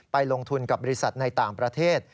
ลงทุนกับบริษัทในต่างประเทศ